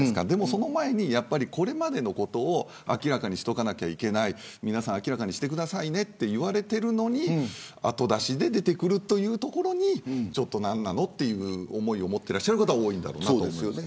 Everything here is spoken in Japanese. その前に、これまでのことを明らかにしておかなければいけない皆さん、明らかにしてくださいねと言われているのに後出しで出てくるというところにちょっと何なのという思いを持っていらっしゃる方が多いと思います。